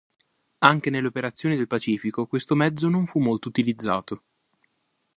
Anche nelle operazioni del Pacifico questo mezzo non fu molto utilizzato.